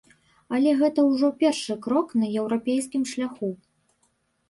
Але гэта ўжо першы крок на еўрапейскім шляху.